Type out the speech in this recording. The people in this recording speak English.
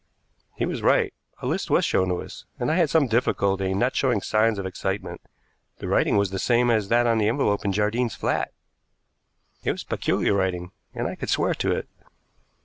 He was right. A list was shown to us, and I had some difficulty in not showing signs of excitement. The writing was the same as that on the envelope in Jardine's flat. It was peculiar writing, and I could swear to it.